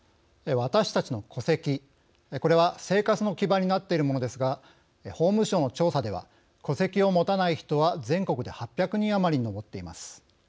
私たちの戸籍、これはこれは生活の基盤になっているものですが法務省の調査では戸籍を持たない人は全国で８００人余りに上っています。